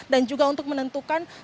dan juga untuk menentukan keguguran